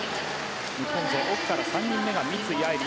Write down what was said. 日本勢、奥から３人目が三井愛梨。